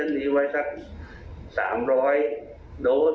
แล้วคนที่๓๐๑มาอาจจะไม่ได้รับภัยในวันนั้น